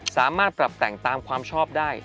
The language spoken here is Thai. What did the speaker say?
สามารถปรับแต่งตามความชอบได้